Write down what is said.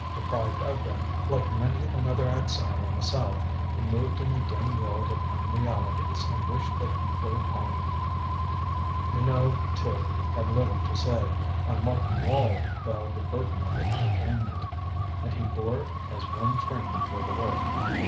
Deprived of them, like many another exile in the South, he moved in a dim world of unrealities and wished that he were home. Minot, too, had little to say. On Martin Wall fell the burden of entertainment, and he bore it as one trained for the work.